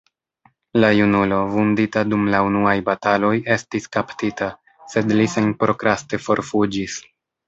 La junulo, vundita dum la unuaj bataloj, estis kaptita, sed li senprokraste forfuĝis.